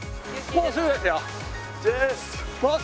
もうすぐですよ！